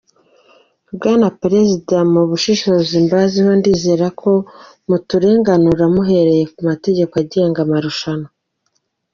Bwana Perezida, mu bushishozi mbaziho, ndizera ko muturenganura muhereye ku mategeko agenga amarushanwa.